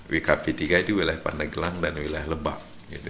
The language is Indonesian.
wkp tiga itu wilayah pandeglang dan wilayah lebak